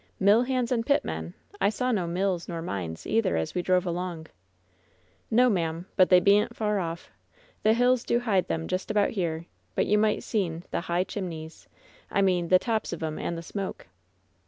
"Mill hands and pitmen ! I saw no mills nor mines, either, as we drove along." ^TsTo, ma'am; but they beant far off. The hills do hide them just about here ; but you might seen the high chimneys — I mean the tops of 'em and the smoke."